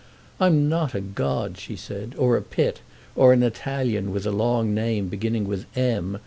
"I'm not a god," she said, "or a Pitt, or an Italian with a long name beginning with M.